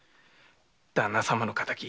旦那様の敵必ず！